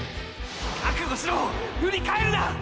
覚悟しろふり返るな！！